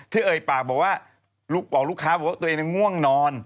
เอ่ยปากบอกว่าบอกลูกค้าบอกว่าตัวเองง่วงนอน